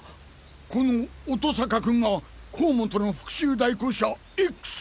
この乙坂君が甲本の復讐代行者Ｘ！？